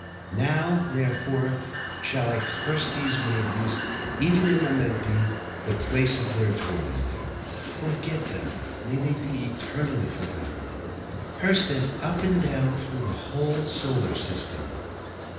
'Now, therefore, shall I curse these maidens, even in Amenti, the place of their tormenting. 'Forget them, may they be eternally forgotten. 'Curse them up and down through the whole solar system.'